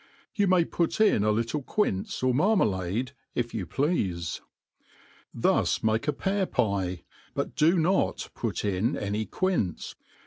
You may put in a little quince or marma lade, if you plea(e» Thus make a pear pie, but do not put in any quince.